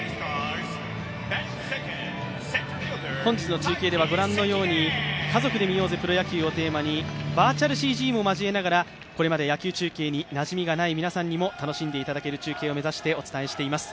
本日の中継では「家族で観ようぜプロ野球」をテーマにバーチャルＣＧも交えながらこれまで野球中継になじみがない皆さんにも野球中継をお伝えしています。